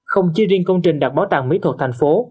không chỉ riêng công trình đặt bảo tàng mỹ thuật thành phố